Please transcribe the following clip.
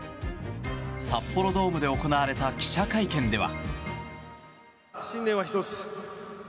札幌ドームで行われた記者会見では。